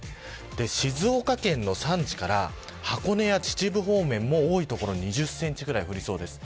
静岡県の山地から箱根や秩父方面も多い所で２０センチくらい降りそうです。